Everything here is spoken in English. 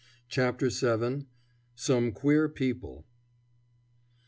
CHAPTER VII. SOME QUEER PEOPLE.